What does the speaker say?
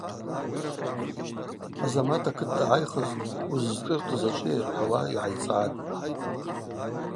Азамат акыт дъагӏайхыз уыззшӏыртыз ачӏвыйа – рхӏвауа, йгӏайцӏгӏатӏ.